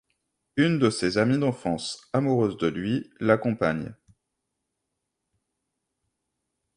Une de ses amies d'enfance, amoureuse de lui, l'accompagne.